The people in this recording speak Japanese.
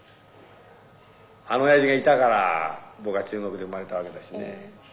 あの親父がいたから僕は中国で生まれたわけだしね。